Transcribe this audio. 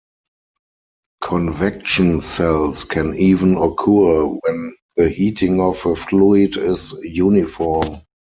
Convection cells can even occur when the heating of a fluid is uniform.